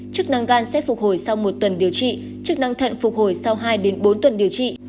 chức năng gan sẽ phục hồi sau một tuần điều trị chức năng thận phục hồi sau hai bốn tuần điều trị